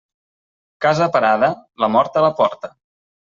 Casa parada, la mort a la porta.